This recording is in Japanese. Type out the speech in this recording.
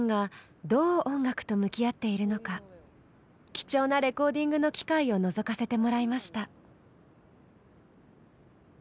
貴重なレコーディングの機会をのぞかせてもらいました。